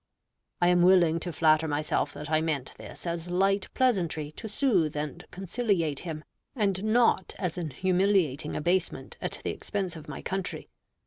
I am willing to flatter myself that I meant this as light pleasantry to soothe and conciliate him, and not as an humiliating abasement at the expense of my country.